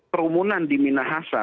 perumunan di minahasa